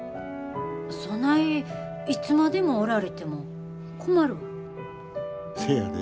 そないいつまでもおられても困るわ。